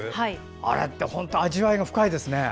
あれって本当味わい深いですね。